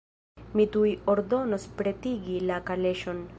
Mi tuj ordonos pretigi la kaleŝon.